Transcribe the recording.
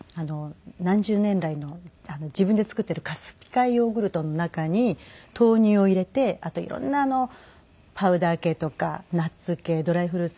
何十年来の自分で作っているカスピ海ヨーグルトの中に豆乳を入れてあと色んなパウダー系とかナッツ系ドライフルーツ。